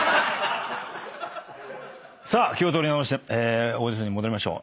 さあ気を取り直してオーディションに戻りましょう。